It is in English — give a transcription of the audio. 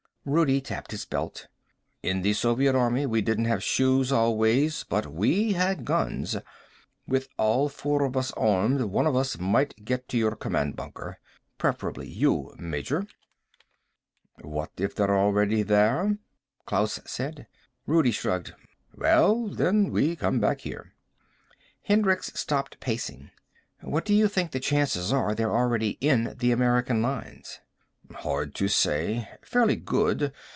Rudi tapped his belt. "In the Soviet army we didn't have shoes always, but we had guns. With all four of us armed one of us might get to your command bunker. Preferably you, Major." "What if they're already there?" Klaus said. Rudi shrugged. "Well, then we come back here." Hendricks stopped pacing. "What do you think the chances are they're already in the American lines?" "Hard to say. Fairly good.